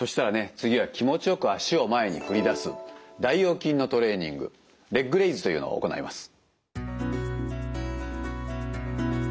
次は気持ちよく足を前に振り出す大腰筋のトレーニングレッグレイズというのを行います。